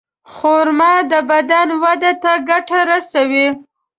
خرما د بدن وده ته ګټه رسوي.